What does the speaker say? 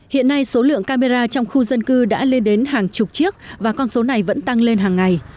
hiện nay số lượng camera trong khu dân cư đã lên đến hàng chục chiếc và con số này vẫn tăng lên hàng ngày